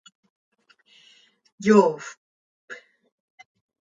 Yoofp.